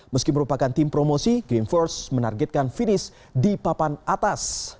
meski merupakan tim promosi green force menargetkan finish di papan atas